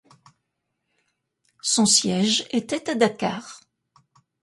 Son siège était à Dakar.